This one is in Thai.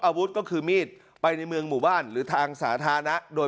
อาวุธก็คือมีดไปในเมืองหมู่บ้านหรือทางสาธารณะโดย